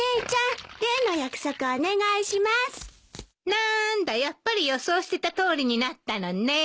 なんだやっぱり予想してたとおりになったのねえ。